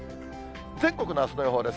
全国のあすの予報です。